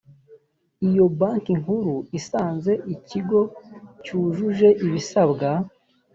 iyo banki nkuru isanze ikigo cyujuje ibisabwa